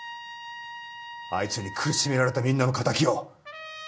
あいつに苦しめられたみんなの敵を。